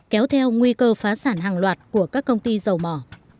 kéo theo nguy cơ phá sản hàng loạt của các công ty dầu mỏ